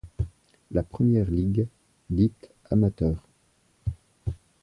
La premiere ligue dite amateur.